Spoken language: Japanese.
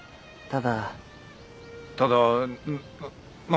ただ何だ？